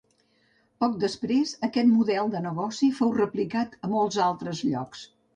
Poc després aquest model de negoci fou replicat a molts altres llocs.